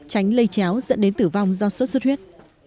tránh lây cháo dẫn đến tử vong do sốt huyết